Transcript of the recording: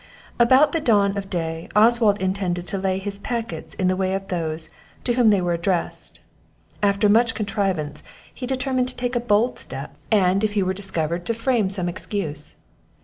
About the dawn of day Oswald intended to lay his packets in the way of those to whom they were addressed; after much contrivance he determined to take a bold step, and, if he were discovered, to frame some excuse.